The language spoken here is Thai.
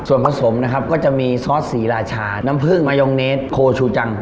ส่วนผสมนะครับก็จะมีซอสศรีราชาน้ำผึ้งมายองเนสโคชูจัง